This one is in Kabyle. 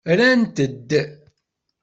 Rrant-d.